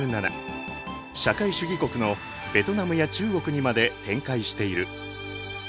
社会主義国のベトナムや中国にまで展開している。